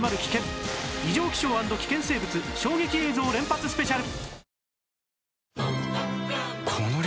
異常気象＆危険生物衝撃映像連発スペシャル